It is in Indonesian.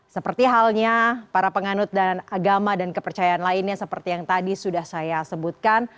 seperti halnya para penganut dan agama dan kepercayaan lainnya seperti yang tadi sudah saya sebutkan